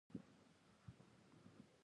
د دولتي تصدۍ په کارکوونکو د هغه خرڅلاو.